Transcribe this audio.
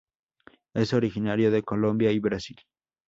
Es originario de Colombia y Brasil.